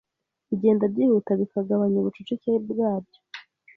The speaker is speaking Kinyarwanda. bigenda byihuta bikaga banya ubucucike bwabyo